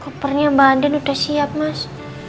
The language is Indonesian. kopernya badan udah siap mas